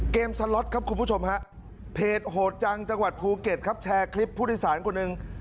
สล็อตครับคุณผู้ชมฮะเพจโหดจังจังหวัดภูเก็ตครับแชร์คลิปผู้โดยสารคนหนึ่ง